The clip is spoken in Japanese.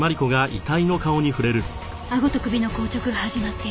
あごと首の硬直が始まっている。